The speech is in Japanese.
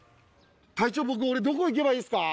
隊長俺どこ行けばいいですか？